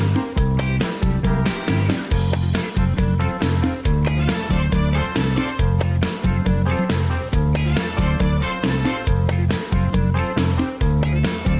โปรดติดตามตอนต่อไป